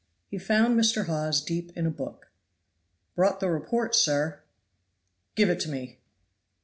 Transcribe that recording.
He found Mr. Hawes deep in a book. "Brought the report, sir." "Give it to me.